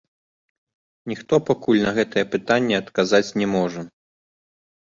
Ніхто пакуль на гэтае пытанне адказаць не можа.